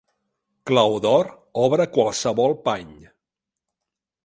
Clau d'or obre qualsevol pany.